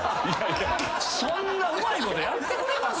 そんなうまいことやってくれます？